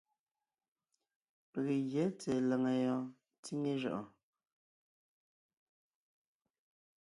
Pege gyɛ́ tsɛ̀ɛ làŋa yɔɔn tsíŋe jʉʼɔɔn.